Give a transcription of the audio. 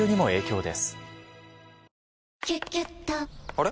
あれ？